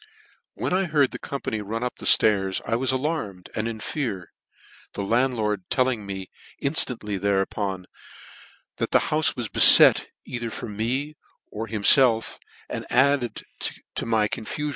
" When I heard the company run up flairs, I was alarmed, and in fear; the landlord telling me inftantly thereupon, that the houfe was bcfet, either for me or himfelf, added to my confufion.